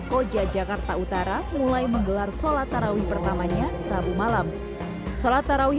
koja jakarta utara mulai menggelar sholat tarawih pertamanya rabu malam sholat tarawih